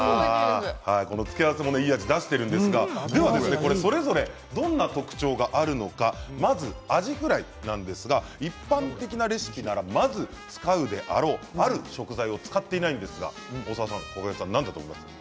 付け合わせもいい味を出しているんですがそれぞれどんな特徴があるのかまずはアジフライですが一般的なレシピならまず使うであろうある食材を使っていないんですが大沢さん、こがけんさん何だと思いますか？